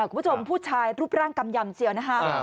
คุณผู้ชมผู้ชายรูปร่างกำยำเจียวนะคะ